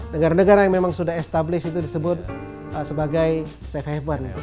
negara negara yang memang sudah established itu disebut sebagai safe haven